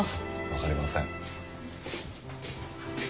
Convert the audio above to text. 分かりません。